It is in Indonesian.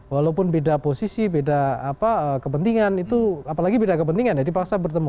walaupun beda posisi beda kepentingan itu apalagi beda kepentingan ya dipaksa bertemu